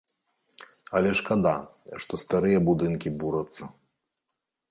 Але шкада, што старыя будынкі бурацца.